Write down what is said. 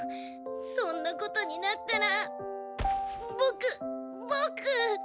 そんなことになったらボクボク。